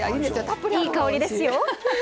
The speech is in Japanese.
いい香りですよ。